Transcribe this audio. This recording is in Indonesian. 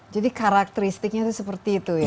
jadi karakteristiknya seperti itu